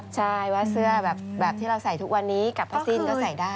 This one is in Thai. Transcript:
ใช่ว่าเสื้อแบบที่เราใส่ทุกวันนี้กับผ้าสิ้นก็ใส่ได้